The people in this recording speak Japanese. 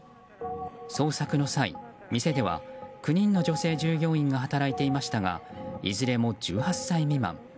捜索の際店では９人の女性従業員が働いていましたがいずれも１８歳未満。